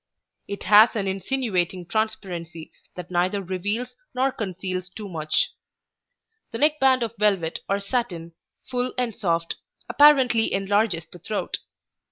It has an insinuating transparency that neither reveals nor conceals too much. The neck band of velvet or satin, full and soft, apparently enlarges the throat.